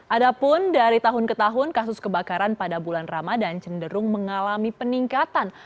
adapun dari tahun ke tahun kasus kebakaran pada bulan ramadan cenderung mengalami peningkatan